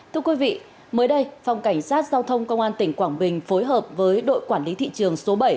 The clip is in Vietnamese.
thưa quý vị mới đây phòng cảnh sát giao thông công an tỉnh quảng bình phối hợp với đội quản lý thị trường số bảy